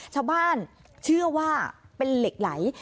ชาวบ้านเชื่อว่าเป็นเหล็กไหล